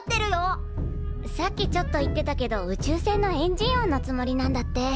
さっきちょっと言ってたけど宇宙船のエンジン音のつもりなんだって。